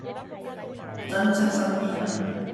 珍惜身邊人